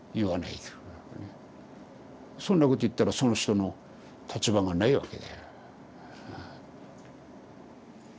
そんなこと言ったらその人の立場がないわけだよ。